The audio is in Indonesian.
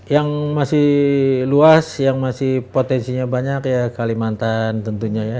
yang masih luas yang masih potensinya banyak ya kalimantan tentunya ya